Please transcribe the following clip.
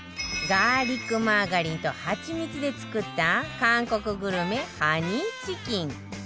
ガーリックマーガリンとハチミツで作った韓国グルメハニーチキン